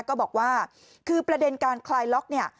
ก็บอกว่าคือประเด็นการคลายล็อกเนี่ย